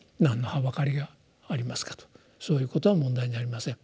「そういうことは問題にありません」。